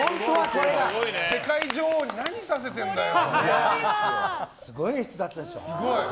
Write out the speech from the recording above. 世界女王に何させてるんだよ。